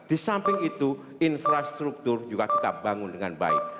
di samping itu infrastruktur juga kita bangun dengan baik